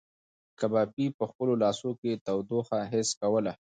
کبابي په خپلو لاسو کې تودوخه حس کوله.